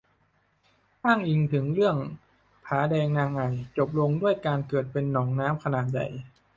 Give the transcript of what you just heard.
อ้างอิงถึงเรื่องผาแดงนางไอ่จบลงด้วยการเกิดเป็นหนองน้ำขนาดใหญ่